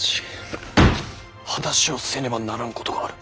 話をせねばならんことがある。